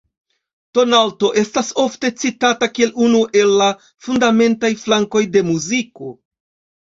Tonalto estas ofte citata kiel unu el la fundamentaj flankoj de muziko.